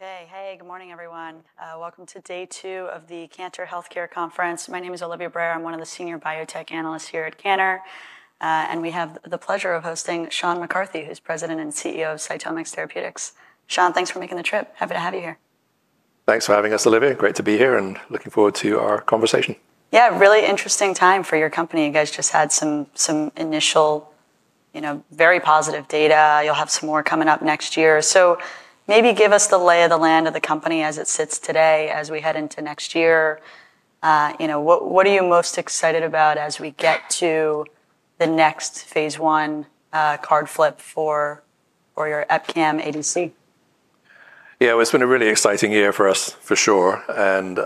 ... Okay. Hey, good morning, everyone. Welcome to day two of the Cantor Healthcare Conference. My name is Olivia Brayer. I'm one of the senior biotech analysts here at Cantor. And we have the pleasure of hosting Sean McCarthy, who's President and CEO of CytomX Therapeutics. Sean, thanks for making the trip. Happy to have you here. Thanks for having us, Olivia. Great to be here, and looking forward to our conversation. Yeah, really interesting time for your company. You guys just had some, some initial, you know, very positive data. You'll have some more coming up next year. So maybe give us the lay of the land of the company as it sits today, as we head into next year. You know, what, what are you most excited about as we get to the next phase one card flip for, for your EpCAM ADC? Yeah, well, it's been a really exciting year for us, for sure, and,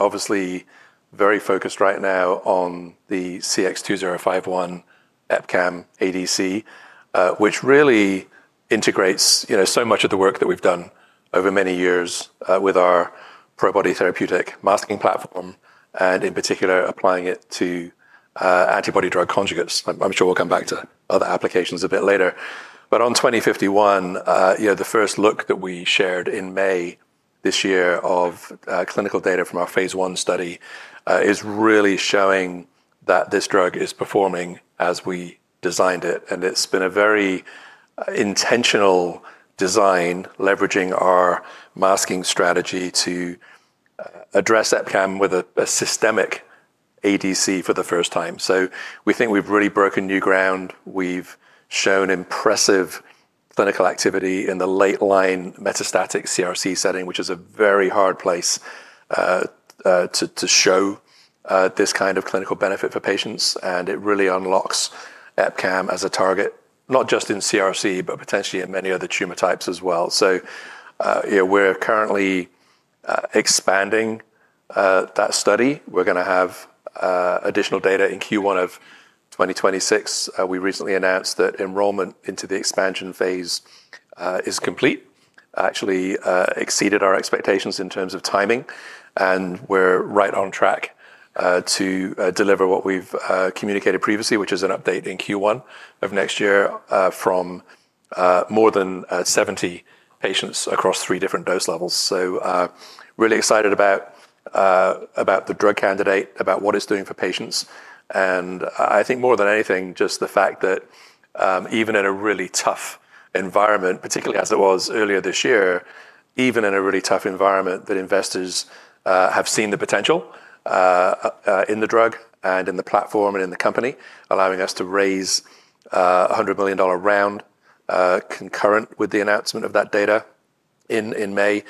obviously, very focused right now on the CX-2051 EpCAM ADC, which really integrates, you know, so much of the work that we've done over many years, with our Probody therapeutic masking platform, and in particular, applying it to, antibody drug conjugates. I'm sure we'll come back to other applications a bit later. But on twenty fifty-one, you know, the first look that we shared in May this year of, clinical data from our phase one study, is really showing that this drug is performing as we designed it, and it's been a very intentional design, leveraging our masking strategy to, address EpCAM with a systemic ADC for the first time. So we think we've really broken new ground. We've shown impressive clinical activity in the late-line metastatic CRC setting, which is a very hard place to show this kind of clinical benefit for patients, and it really unlocks EpCAM as a target, not just in CRC, but potentially in many other tumor types as well. So, yeah, we're currently expanding that study. We're gonna have additional data in Q1 of twenty twenty-six. We recently announced that enrollment into the expansion phase is complete. Actually, exceeded our expectations in terms of timing, and we're right on track to deliver what we've communicated previously, which is an update in Q1 of next year from more than 70 patients across three different dose levels. So, really excited about the drug candidate, about what it's doing for patients, and I think more than anything, just the fact that even in a really tough environment, particularly as it was earlier this year, even in a really tough environment, that investors have seen the potential in the drug and in the platform and in the company, allowing us to raise a $100 million round concurrent with the announcement of that data in May,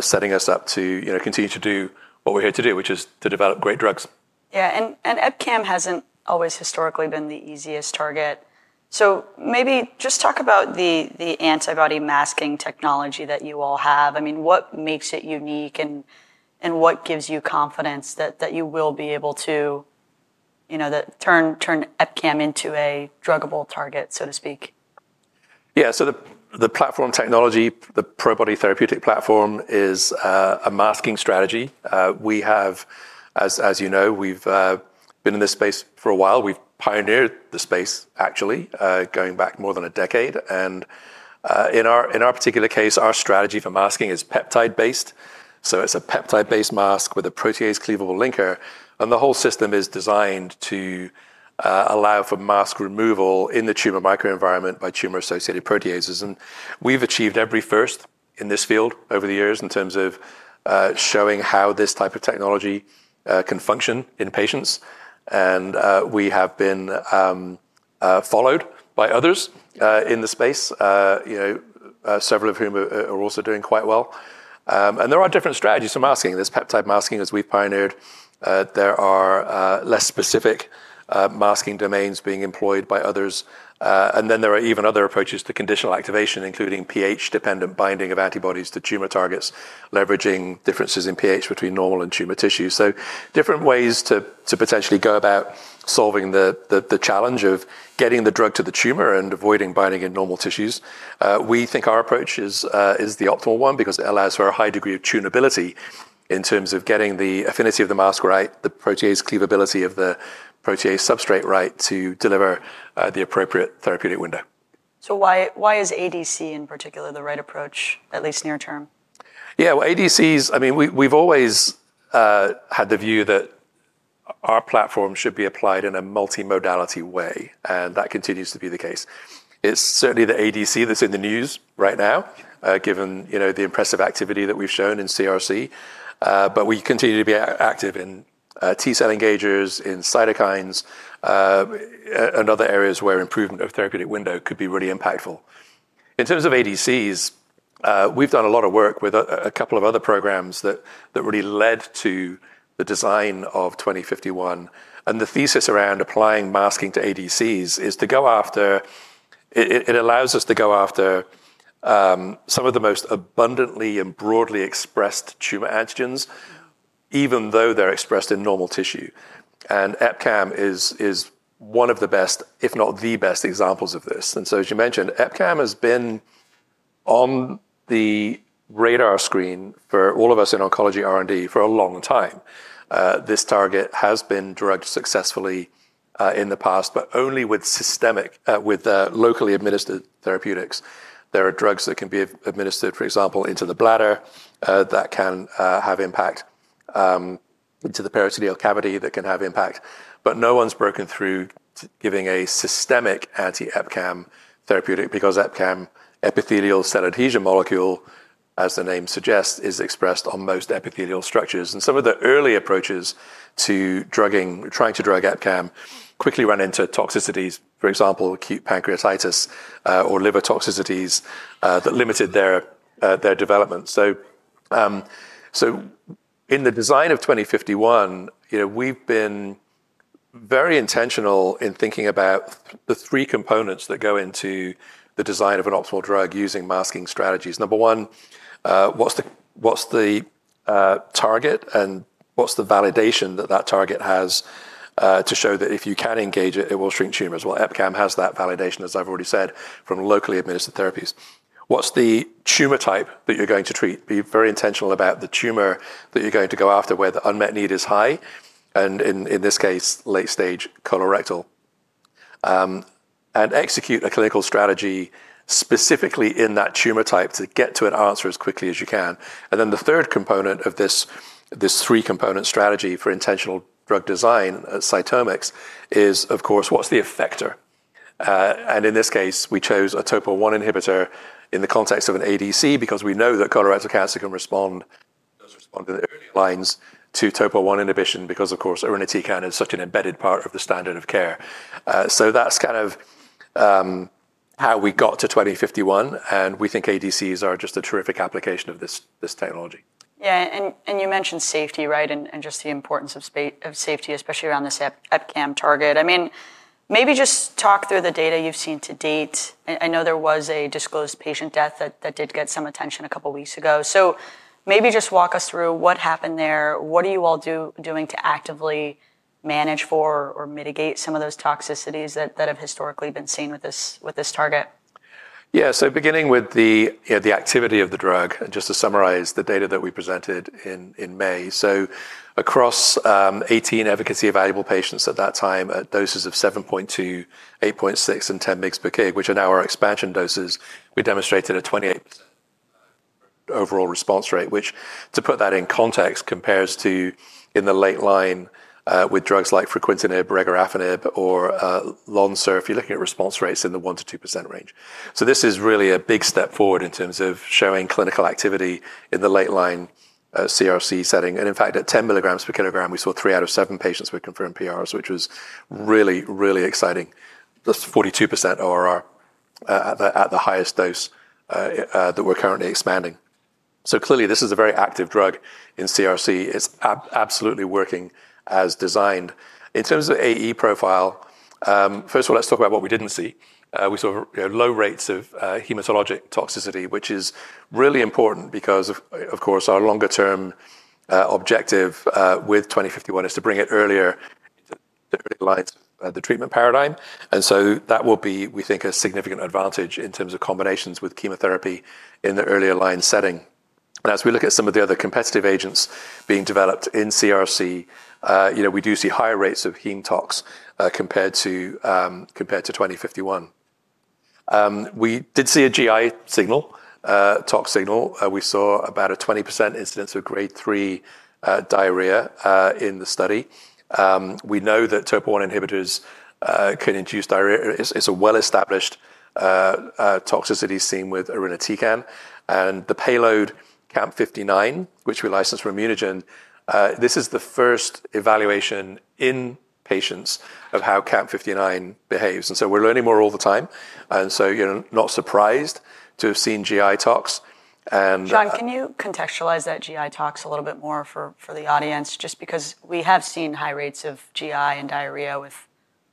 setting us up to, you know, continue to do what we're here to do, which is to develop great drugs. Yeah, and EpCAM hasn't always historically been the easiest target. So maybe just talk about the antibody masking technology that you all have. I mean, what makes it unique, and what gives you confidence that you will be able to, you know, turn EpCAM into a druggable target, so to speak? Yeah. So the platform technology, the Probody therapeutic platform, is a masking strategy. We have, as you know, we've been in this space for a while. We've pioneered the space, actually, going back more than a decade, and in our particular case, our strategy for masking is peptide-based. So it's a peptide-based mask with a protease cleavable linker, and the whole system is designed to allow for mask removal in the tumor microenvironment by tumor-associated proteases. And we've achieved every first in this field over the years in terms of showing how this type of technology can function in patients. And we have been followed by others in the space, you know, several of whom are also doing quite well. And there are different strategies for masking. There's peptide masking, as we've pioneered. There are less specific masking domains being employed by others, and then there are even other approaches to conditional activation, including pH-dependent binding of antibodies to tumor targets, leveraging differences in pH between normal and tumor tissue. So different ways to potentially go about solving the challenge of getting the drug to the tumor and avoiding binding in normal tissues. We think our approach is the optimal one because it allows for a high degree of tunability in terms of getting the affinity of the mask right, the protease cleavability of the protease substrate right to deliver the appropriate therapeutic window. So why, why is ADC in particular the right approach, at least near term? Yeah, well, ADCs, I mean, we, we've always had the view that our platform should be applied in a multimodality way, and that continues to be the case. It's certainly the ADC that's in the news right now, given, you know, the impressive activity that we've shown in CRC. But we continue to be active in T-cell engagers, in cytokines, and other areas where improvement of therapeutic window could be really impactful. In terms of ADCs, we've done a lot of work with a couple of other programs that really led to the design of twenty fifty-one, and the thesis around applying masking to ADCs is to go after... it allows us to go after some of the most abundantly and broadly expressed tumor antigens- Mm... even though they're expressed in normal tissue. And EpCAM is one of the best, if not the best, examples of this. And so, as you mentioned, EpCAM has been on the radar screen for all of us in oncology R&D for a long time. This target has been drugged successfully in the past, but only with systemic, with, locally administered therapeutics. There are drugs that can be administered, for example, into the bladder, that can have impact, into the peritoneal cavity, that can have impact. But no one's broken through giving a systemic anti-EpCAM therapeutic, because EpCAM, epithelial cell adhesion molecule, as the name suggests, is expressed on most epithelial structures. Some of the early approaches to drugging, trying to drug EpCAM, quickly ran into toxicities, for example, acute pancreatitis, or liver toxicities, that limited their development. In the design of twenty fifty-one, you know, we've been very intentional in thinking about the three components that go into the design of an optimal drug using masking strategies. Number one, what's the target, and what's the validation that that target has, to show that if you can engage it, it will shrink tumors? EpCAM has that validation, as I've already said, from locally administered therapies. What's the tumor type that you're going to treat? Be very intentional about the tumor that you're going to go after, where the unmet need is high, and in this case, late-stage colorectal. And execute a clinical strategy specifically in that tumor type to get to an answer as quickly as you can. And then the third component of this three-component strategy for intentional drug design at CytomX is, of course, what's the effector? And in this case, we chose a TOPO1 inhibitor in the context of an ADC, because we know that colorectal cancer can respond... does respond in the early lines to TOPO1 inhibition, because, of course, irinotecan is such an embedded part of the standard of care. So that's kind of how we got to twenty fifty-one, and we think ADCs are just a terrific application of this technology. Yeah, and you mentioned safety, right? And just the importance of safety, especially around this EpCAM target. I mean, maybe just talk through the data you've seen to date. I know there was a disclosed patient death that did get some attention a couple of weeks ago. So maybe just walk us through what happened there. What are you all doing to actively manage for or mitigate some of those toxicities that have historically been seen with this target? Yeah, so beginning with the, you know, the activity of the drug, and just to summarize the data that we presented in, in May. So across eighteen efficacy-evaluable patients at that time, at doses of 7.2, 8.6, and 10 mg/kg, which are now our expansion doses, we demonstrated a 28% overall response rate, which, to put that in context, compares to, in the late-line, with drugs like fruquintinib, regorafenib, or Lonsurf, if you're looking at response rates in the 1-2% range. So this is really a big step forward in terms of showing clinical activity in the late-line CRC setting. And in fact, at 10 mg/kg, we saw three out of seven patients with confirmed PRs, which was really, really exciting. That's 42% ORR at the highest dose that we're currently expanding. So clearly, this is a very active drug in CRC. It's absolutely working as designed. In terms of AE profile, first of all, let's talk about what we didn't see. We saw, you know, low rates of hematologic toxicity, which is really important because, of course, our longer-term objective with twenty fifty-one is to bring it earlier into the early lines of the treatment paradigm, and so that will be, we think, a significant advantage in terms of combinations with chemotherapy in the earlier line setting. And as we look at some of the other competitive agents being developed in CRC, you know, we do see higher rates of heme tox compared to twenty fifty-one. We did see a GI signal, tox signal. We saw about a 20% incidence of Grade 3 diarrhea in the study. We know that TOPO1 inhibitors can induce diarrhea. It's a well-established toxicity seen with irinotecan. The payload CAM59, which we licensed from ImmunoGen, this is the first evaluation in patients of how CAM59 behaves, and so we're learning more all the time. You know, not surprised to have seen GI tox. John, can you contextualize that GI tox a little bit more for the audience? Just because we have seen high rates of GI and diarrhea with-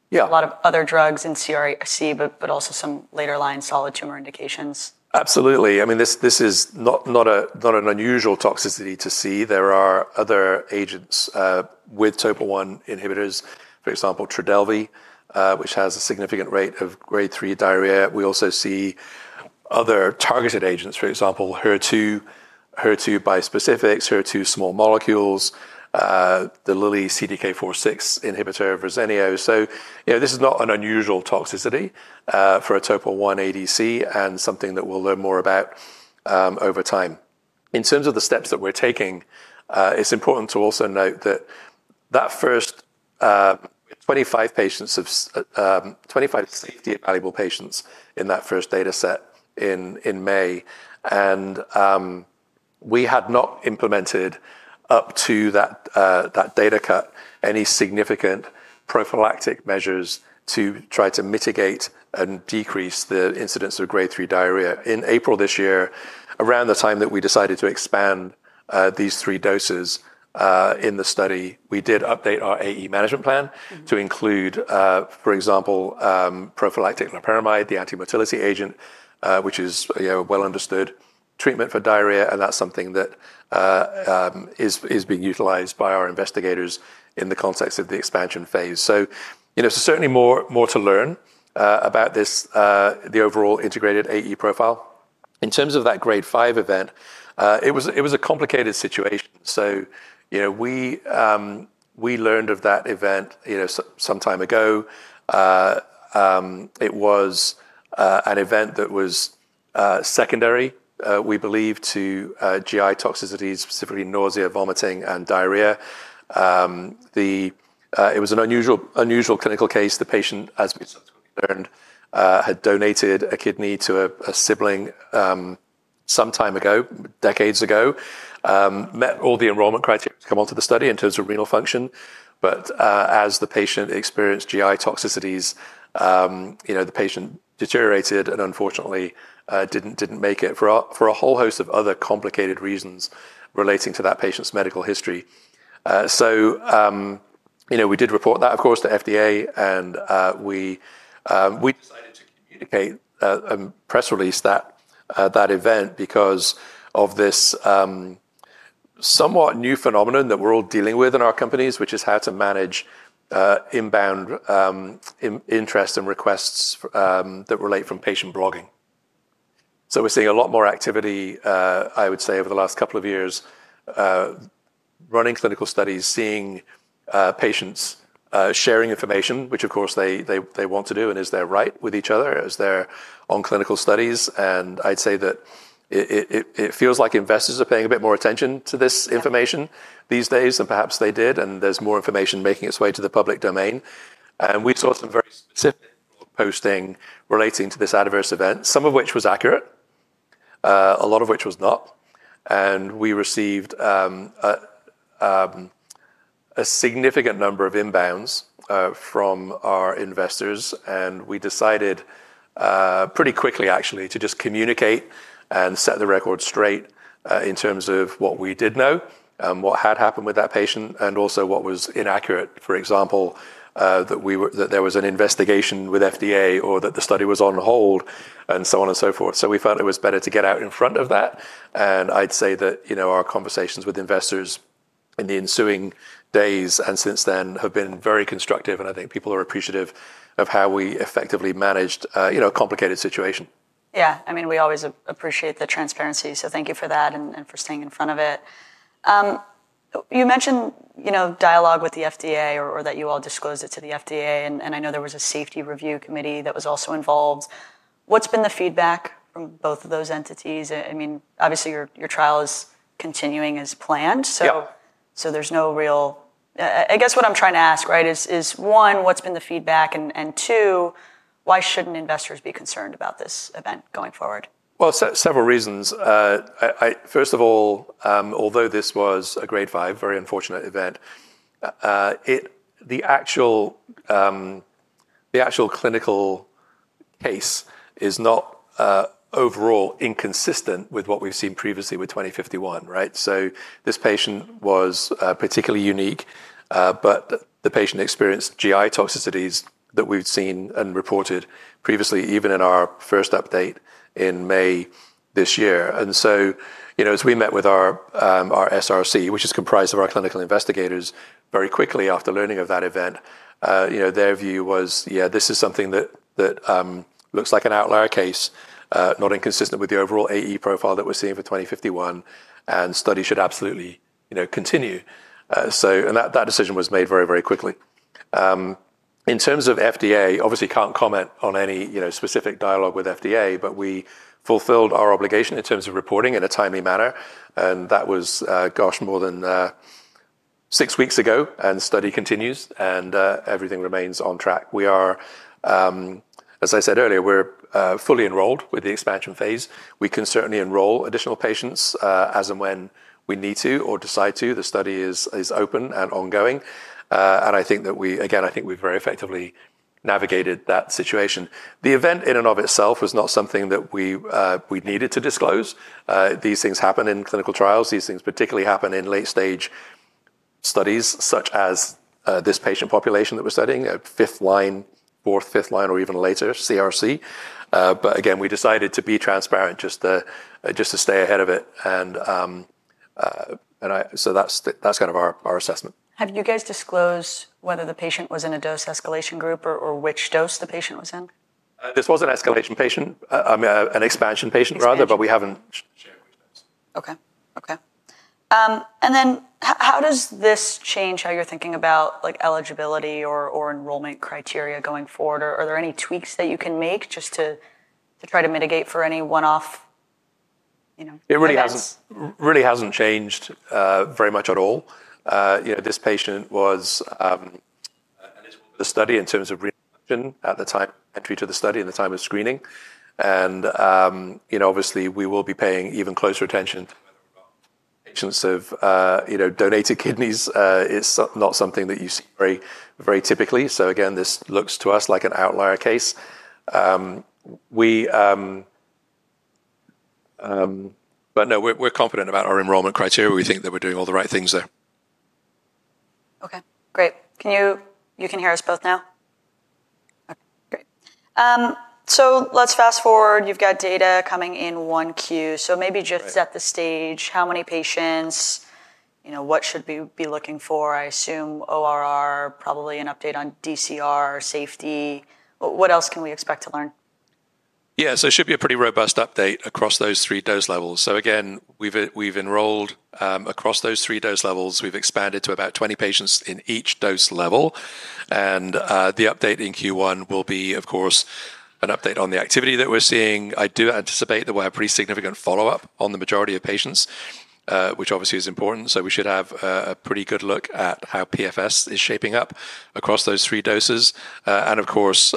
Yeah... a lot of other drugs in CRC, but also some later-line solid tumor indications. Absolutely. I mean, this is not an unusual toxicity to see. There are other agents with TOPO1 inhibitors, for example, Trodelvy, which has a significant rate of Grade 3 diarrhea. We also see other targeted agents, for example, HER2, HER2 bispecifics, HER2 small molecules, the Lilly CDK 4/6 inhibitor, Verzenio. So, you know, this is not an unusual toxicity for a TOPO1 ADC and something that we'll learn more about over time. In terms of the steps that we're taking, it's important to also note that first 25 patients of 25 safety evaluable patients in that first dataset in May, and we had not implemented up to that data cut any significant prophylactic measures to try to mitigate and decrease the incidence of Grade 3 diarrhea. In April this year, around the time that we decided to expand these three doses in the study, we did update our AE management plan. Mm-hmm... to include, for example, prophylactic loperamide, the antimotility agent, which is, you know, a well-understood treatment for diarrhea, and that's something that is being utilized by our investigators in the context of the expansion phase. You know, certainly more to learn about this, the overall integrated AE profile. In terms of that Grade 5 event, it was a complicated situation. You know, we learned of that event, you know, some time ago. It was an event that was secondary, we believe, to GI toxicities, specifically nausea, vomiting, and diarrhea. It was an unusual clinical case. The patient, as we subsequently learned, had donated a kidney to a sibling some time ago, decades ago. Met all the enrollment criteria to come onto the study in terms of renal function, but as the patient experienced GI toxicities, you know, the patient deteriorated and unfortunately didn't make it, for a whole host of other complicated reasons relating to that patient's medical history, so you know, we did report that, of course, to FDA, and we decided to communicate press release that event because of this somewhat new phenomenon that we're all dealing with in our companies, which is how to manage inbound interest and requests from patient blogging. So we're seeing a lot more activity, I would say over the last couple of years, running clinical studies, seeing patients, sharing information, which of course they want to do, and is their right with each other as they're on clinical studies. And I'd say that it feels like investors are paying a bit more attention to this information. Yeah... these days, than perhaps they did, and there's more information making its way to the public domain, and we saw some very specific posting relating to this adverse event, some of which was accurate, a lot of which was not, and we received a significant number of inbounds from our investors, and we decided pretty quickly, actually, to just communicate and set the record straight in terms of what we did know, what had happened with that patient, and also what was inaccurate. For example, that there was an investigation with FDA or that the study was on hold, and so on and so forth. So we felt it was better to get out in front of that, and I'd say that, you know, our conversations with investors in the ensuing days and since then have been very constructive, and I think people are appreciative of how we effectively managed a, you know, a complicated situation. Yeah. I mean, we always appreciate the transparency, so thank you for that and for staying in front of it. You mentioned, you know, dialogue with the FDA or that you all disclosed it to the FDA, and I know there was a safety review committee that was also involved. What's been the feedback from both of those entities? I mean, obviously, your trial is continuing as planned, so- Yeah I guess what I'm trying to ask, right, is one, what's been the feedback? And two, why shouldn't investors be concerned about this event going forward? Several reasons. I first of all, although this was a Grade 5, very unfortunate event, the actual clinical case is not overall inconsistent with what we've seen previously with twenty fifty-one, right? This patient was particularly unique, but the patient experienced GI toxicities that we've seen and reported previously, even in our first update in May this year. You know, as we met with our SRC, which is comprised of our clinical investigators, very quickly after learning of that event, you know, their view was, yeah, this is something that looks like an outlier case, not inconsistent with the overall AE profile that we're seeing for twenty fifty-one, and the study should absolutely continue. And that decision was made very, very quickly. In terms of FDA, obviously can't comment on any, you know, specific dialogue with FDA, but we fulfilled our obligation in terms of reporting in a timely manner, and that was, gosh, more than six weeks ago, and the study continues, and everything remains on track. We are, as I said earlier, we're fully enrolled with the expansion phase. We can certainly enroll additional patients as and when we need to or decide to. The study is open and ongoing, and I think that we again. I think we've very effectively navigated that situation. The event in and of itself was not something that we needed to disclose. These things happen in clinical trials. These things particularly happen in late-stage studies, such as this patient population that we're studying, a fifth line, fourth, fifth line, or even later, CRC. But again, we decided to be transparent just to stay ahead of it. So that's kind of our assessment. Have you guys disclosed whether the patient was in a dose escalation group or which dose the patient was in? This was an escalation patient, I mean, an expansion patient, rather- Expansion... but we haven't shared those. Okay, okay. And then how does this change how you're thinking about, like, eligibility or enrollment criteria going forward? Or are there any tweaks that you can make just to try to mitigate for any one-off, you know, events? It really hasn't, really hasn't changed very much at all. You know, this patient was eligible for the study in terms of renal function at the time, entry to the study, and the time of screening, and you know, obviously, we will be paying even closer attention to whether or not patients have you know, donated kidneys. It's so not something that you see very, very typically, so again, this looks to us like an outlier case, but no, we're confident about our enrollment criteria. We think that we're doing all the right things there. Okay, great. Can you-- You can hear us both now? Okay, great. So let's fast forward. You've got data coming in 1Q. Right. Maybe just set the stage. How many patients? You know, what should we be looking for? I assume ORR, probably an update on DCR, safety. What else can we expect to learn? Yeah, so it should be a pretty robust update across those three dose levels. So again, we've enrolled across those three dose levels. We've expanded to about 20 patients in each dose level, and the update in Q1 will be, of course, an update on the activity that we're seeing. I do anticipate that we'll have pretty significant follow-up on the majority of patients, which obviously is important. So we should have a pretty good look at how PFS is shaping up across those three doses. And of course,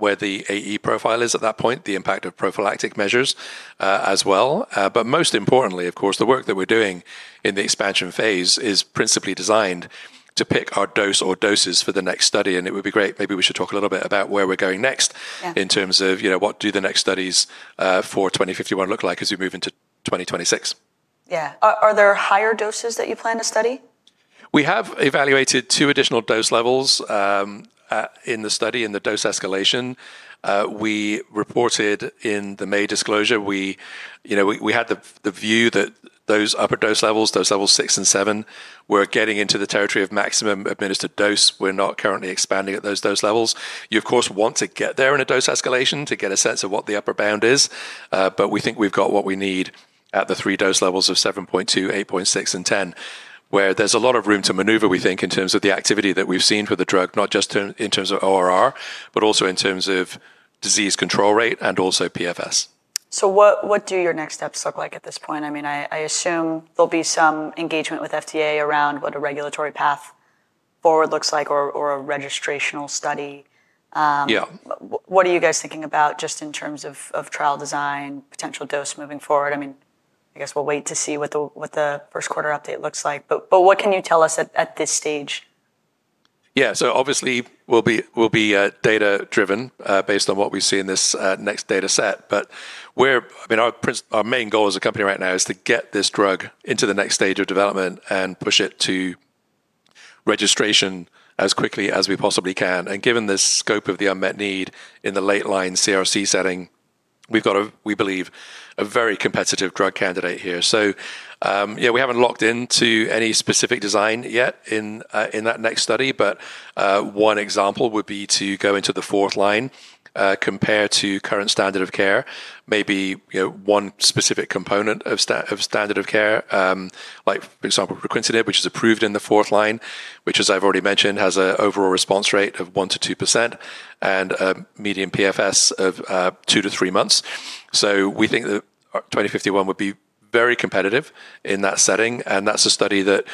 where the AE profile is at that point, the impact of prophylactic measures, as well. But most importantly, of course, the work that we're doing in the expansion phase is principally designed to pick our dose or doses for the next study, and it would be great. Maybe we should talk a little bit about where we're going next- Yeah... in terms of, you know, what do the next studies for twenty fifty-one look like as we move into twenty twenty-six? Yeah. Are there higher doses that you plan to study? We have evaluated two additional dose levels in the study, in the dose escalation. We reported in the May disclosure, you know, we had the view that those upper dose levels, dose levels six and seven, were getting into the territory of maximum administered dose. We're not currently expanding at those dose levels. You, of course, want to get there in a dose escalation to get a sense of what the upper bound is, but we think we've got what we need at the three dose levels of 7.2, 8.6, and 10, where there's a lot of room to maneuver, we think, in terms of the activity that we've seen for the drug, not just in terms of ORR, but also in terms of disease control rate and also PFS. So what do your next steps look like at this point? I mean, I assume there'll be some engagement with FDA around what a regulatory path forward looks like or a registrational study. Yeah. What are you guys thinking about just in terms of trial design, potential dose moving forward? I mean, I guess we'll wait to see what the first quarter update looks like. But what can you tell us at this stage? Yeah. So obviously, we'll be data-driven based on what we see in this next data set, but we're, I mean, our main goal as a company right now is to get this drug into the next stage of development and push it to registration as quickly as we possibly can. And given the scope of the unmet need in the late-line CRC setting, we've got, we believe, a very competitive drug candidate here. So, yeah, we haven't locked in to any specific design yet in that next study, but, one example would be to go into the fourth line, compare to current standard of care. Maybe, you know, one specific component of standard of care, like, for example, Regorafenib, which is approved in the fourth line, which, as I've already mentioned, has a overall response rate of 1-2% and median PFS of 2-3 months. So we think that twenty fifty-one would be very competitive in that setting, and that's a study that,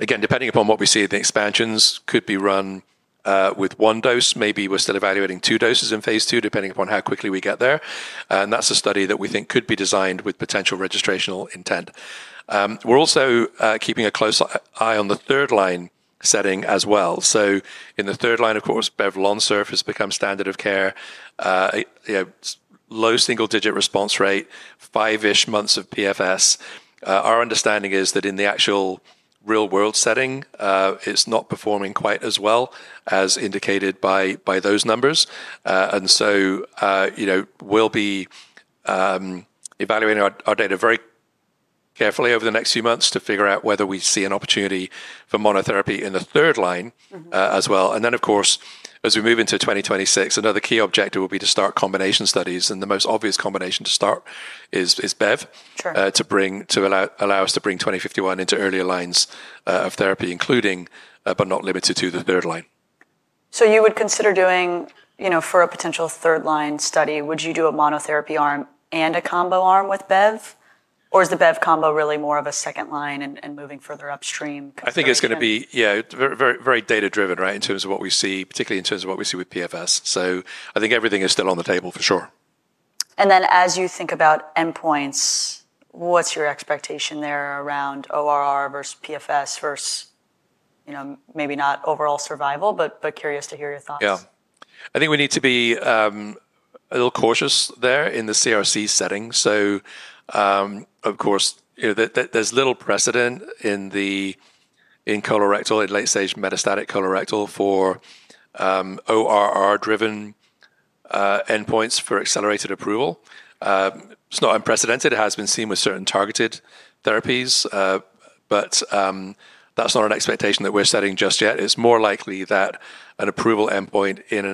again, depending upon what we see, the expansions could be run with one dose. Maybe we're still evaluating two doses in phase 2, depending upon how quickly we get there, and that's a study that we think could be designed with potential registrational intent. We're also keeping a close eye on the third line setting as well. So in the third line, of course, Bev/Lonsurf has become standard of care. You know, low single-digit response rate, five-ish months of PFS. Our understanding is that in the actual real-world setting, it's not performing quite as well as indicated by those numbers. And so, you know, we'll be evaluating our data very carefully over the next few months to figure out whether we see an opportunity for monotherapy in the third line- Mm-hmm... as well. And then, of course, as we move into 2026, another key objective will be to start combination studies, and the most obvious combination to start is bev- Sure... to bring, to allow us to bring twenty fifty-one into earlier lines of therapy, including, but not limited to, the third line. So you would consider doing, you know, for a potential third-line study, would you do a monotherapy arm and a combo arm with bev? Or is the bev combo really more of a second line and moving further upstream? I think it's gonna be, yeah, very, very, very data-driven, right? In terms of what we see, particularly in terms of what we see with PFS. So I think everything is still on the table, for sure. And then, as you think about endpoints, what's your expectation there around ORR versus PFS versus, you know, maybe not overall survival, but curious to hear your thoughts? Yeah. I think we need to be a little cautious there in the CRC setting. So of course, you know, there's little precedent in the colorectal, in late-stage metastatic colorectal for ORR-driven endpoints for accelerated approval. It's not unprecedented. It has been seen with certain targeted therapies, but that's not an expectation that we're setting just yet. It's more likely that an approval endpoint in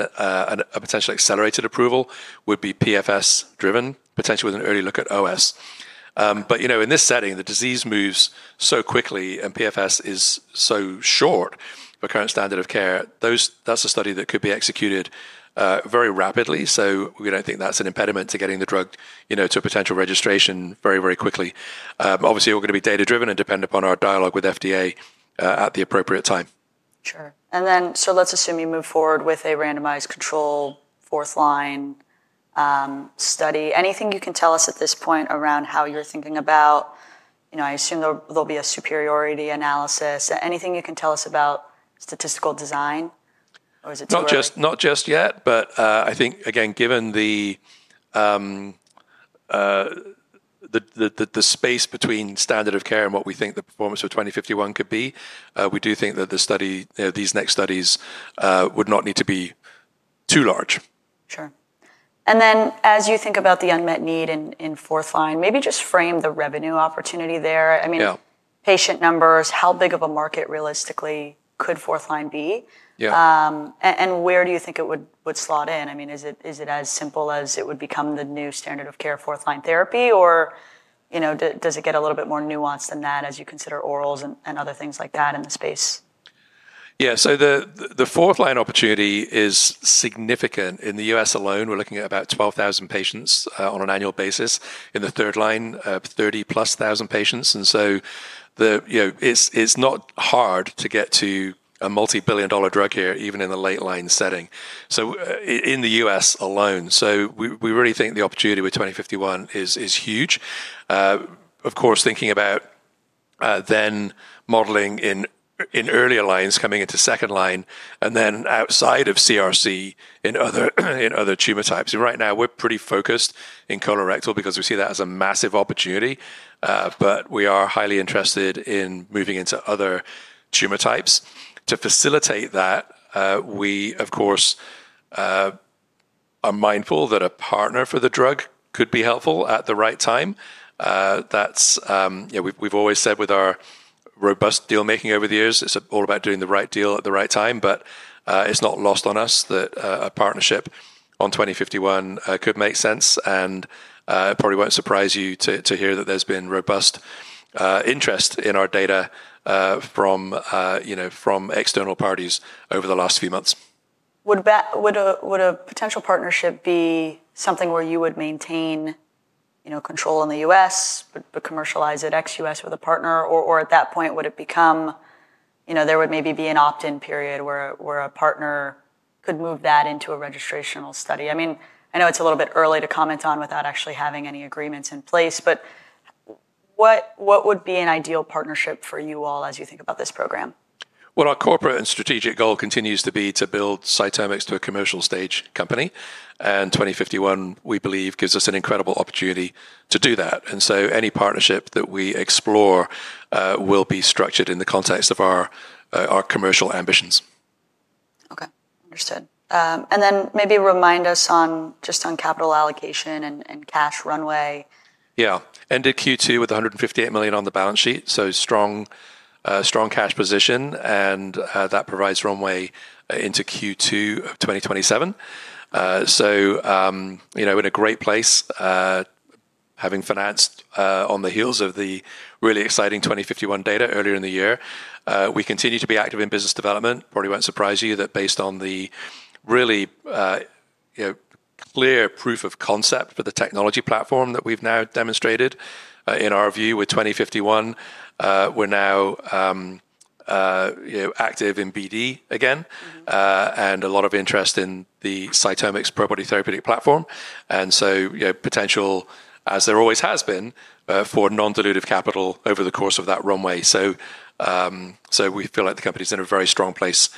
a potential accelerated approval would be PFS driven, potentially with an early look at OS. But you know, in this setting, the disease moves so quickly and PFS is so short for current standard of care, that's a study that could be executed very rapidly. So we don't think that's an impediment to getting the drug, you know, to a potential registration very, very quickly. Obviously, we're gonna be data-driven and depend upon our dialogue with FDA, at the appropriate time. Sure. And then, so let's assume you move forward with a randomized control fourth line study. Anything you can tell us at this point around how you're thinking about... You know, I assume there'll be a superiority analysis. Anything you can tell us about statistical design, or is it too early? Not just yet, but I think, again, given the space between standard of care and what we think the performance of twenty fifty-one could be, we do think that the study, these next studies, would not need to be too large. and then as you think about the unmet need in fourth line, maybe just frame the revenue opportunity there. Yeah. I mean, patient numbers, how big of a market realistically could fourth line be? Yeah. Where do you think it would slot in? I mean, is it as simple as it would become the new standard of care, fourth line therapy, or, you know, does it get a little bit more nuanced than that as you consider orals and other things like that in the space? Yeah. So the fourth line opportunity is significant. In the US alone, we're looking at about 12,000 patients on an annual basis. In the third line, 30,000-plus patients. And so you know, it's not hard to get to a multi-billion-dollar drug here, even in the late line setting, so in the US alone. So we really think the opportunity with twenty fifty-one is huge. Of course, thinking about then modeling in earlier lines, coming into second line, and then outside of CRC in other tumor types. Right now, we're pretty focused in colorectal because we see that as a massive opportunity, but we are highly interested in moving into other tumor types. To facilitate that, we, of course, are mindful that a partner for the drug could be helpful at the right time. That's... You know, we've always said with our robust deal making over the years, it's all about doing the right deal at the right time, but it's not lost on us that a partnership on twenty fifty-one could make sense, and it probably won't surprise you to hear that there's been robust interest in our data from you know, from external parties over the last few months. Would a potential partnership be something where you would maintain, you know, control in the US, but commercialize it ex-US with a partner? Or at that point, would it become, you know, there would maybe be an opt-in period where a partner could move that into a registrational study? I mean, I know it's a little bit early to comment on without actually having any agreements in place, but what would be an ideal partnership for you all as you think about this program? Our corporate and strategic goal continues to be to build CytomX to a commercial stage company, and twenty fifty-one, we believe, gives us an incredible opportunity to do that. Any partnership that we explore will be structured in the context of our commercial ambitions. Okay, understood. And then maybe remind us on, just on capital allocation and cash runway. Yeah. Ended Q2 with $158 million on the balance sheet, so strong, strong cash position, and that provides runway into Q2 of 2027. So, you know, in a great place, having financed on the heels of the really exciting twenty fifty-one data earlier in the year. We continue to be active in business development. Probably won't surprise you that based on the really, you know, clear proof of concept for the technology platform that we've now demonstrated, in our view with twenty fifty-one, we're now, you know, active in BD again- Mm-hmm... and a lot of interest in the CytomX ProBody therapeutic platform. And so, you know, potential, as there always has been, for non-dilutive capital over the course of that runway. So, we feel like the company's in a very strong place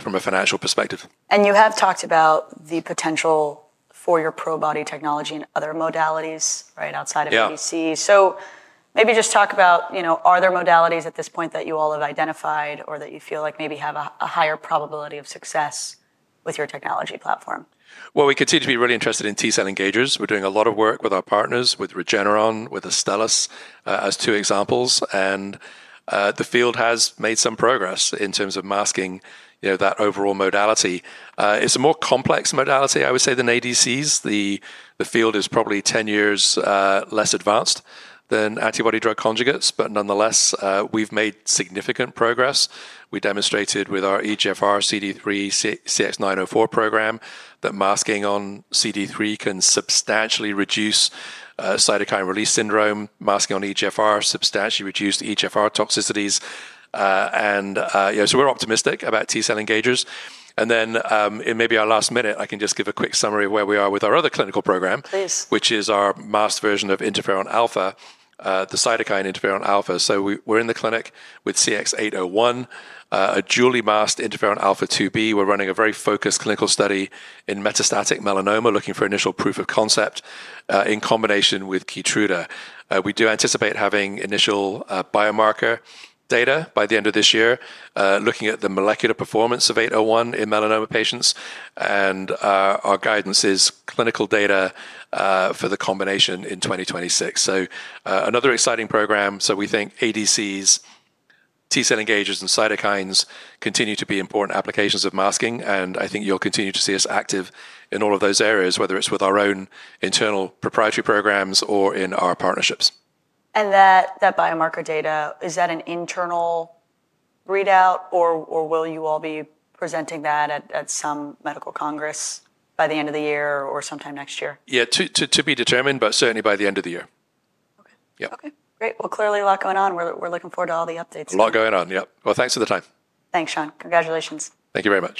from a financial perspective. You have talked about the potential for your Probody technology and other modalities right outside of ADC. Yeah. So maybe just talk about, you know, are there modalities at this point that you all have identified or that you feel like maybe have a higher probability of success with your technology platform? We continue to be really interested in T-cell engagers. We're doing a lot of work with our partners, with Regeneron, with Astellas, as two examples, and the field has made some progress in terms of masking, you know, that overall modality. It's a more complex modality, I would say, than ADCs. The field is probably ten years less advanced than antibody-drug conjugates, but nonetheless, we've made significant progress. We demonstrated with our EGFR CD3 CX-904 program that masking on CD3 can substantially reduce cytokine release syndrome, masking on EGFR substantially reduced EGFR toxicities, and you know, so we're optimistic about T-cell engagers, and then in maybe our last minute, I can just give a quick summary of where we are with our other clinical program. Please... which is our masked version of interferon alpha, the cytokine interferon alpha. So we're in the clinic with CX-801, a dually masked interferon alpha-2b. We're running a very focused clinical study in metastatic melanoma, looking for initial proof of concept, in combination with Keytruda. We do anticipate having initial biomarker data by the end of this year, looking at the molecular performance of eight oh one in melanoma patients, and our guidance is clinical data for the combination in twenty twenty-six. So, another exciting program. So we think ADCs, T-cell engagers and cytokines continue to be important applications of masking, and I think you'll continue to see us active in all of those areas, whether it's with our own internal proprietary programs or in our partnerships. That biomarker data, is that an internal readout, or will you all be presenting that at some medical congress by the end of the year or sometime next year? Yeah, to be determined, but certainly by the end of the year. Okay. Yeah. Okay, great. Well, clearly a lot going on. We're looking forward to all the updates. A lot going on, yeah. Well, thanks for the time. Thanks, Sean. Congratulations. Thank you very much.